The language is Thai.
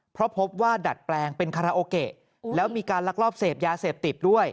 เพราะพบว่าดัดแปลงเป็นคาราโอเกะแล้วมีการลักลอบเสพยาเสพติดด้วย